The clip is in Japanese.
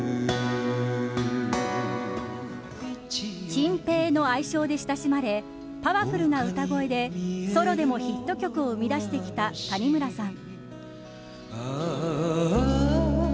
チンペイの愛称で親しまれパワフルな歌声でソロでもヒット曲を生み出してきた谷村さん。